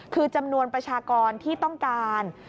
คือจำนวนประชากรที่ต้องการ